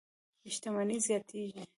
شتمنۍ زیاتېږي.